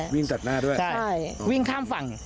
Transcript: วิ่งตัดหน้าด้วยใช่วิ่งข้ามฝั่ง